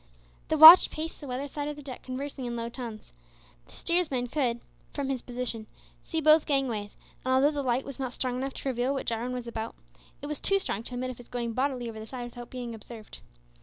The watch paced the weather side of the deck conversing in low tones. The steersman could, from his position, see both gangways, and although the light was not strong enough to reveal what Jarwin was about, it was too strong to admit of his going bodily over the side without being observed.